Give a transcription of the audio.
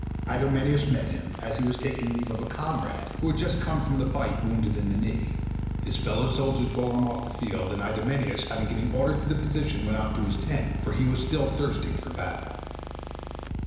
Idomeneus met him, as he was taking leave of a comrade, who had just come to him from the fight, wounded in the knee. His fellow soldiers bore him off the field, and Idomeneus having given orders to the physicians went on to his tent, for he was still thirsting for battle.